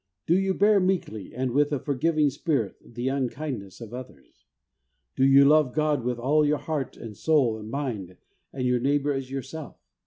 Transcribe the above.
Do you bear meekly, and with a forgiving spirit, the unkindness of others ? Do you love God with all your heart and soul and mind, and your neighbour as yourself?